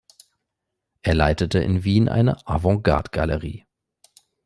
Er leitete in Wien eine Avantgarde-Galerie.